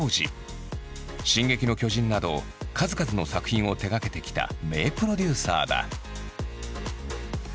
「進撃の巨人」など数々の作品を手がけてきた名プロデューサーだ。